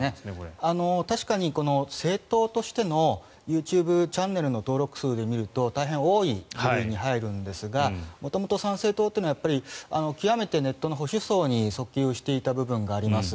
確かに政党としてのユーチューバーチャンネルの登録者数で見ると大変多い部類に入るんですが元々参政党というのはきわめてネットの保守層に訴求していた部分があります。